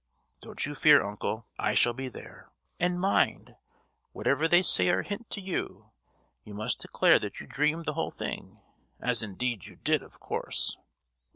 "Don't you fear, uncle! I shall be there! And mind, whatever they say or hint to you, you must declare that you dreamed the whole thing—as indeed you did, of course?"